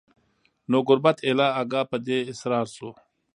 نو ګوربت ایله آګاه په دې اسرار سو